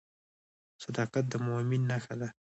صداقت د مؤمن نښه ده.